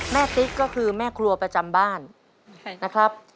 ติ๊กก็คือแม่ครัวประจำบ้านนะครับ